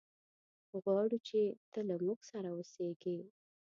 غواړو چې ته له موږ سره اوسېږي.